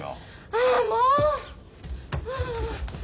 ああもうっ。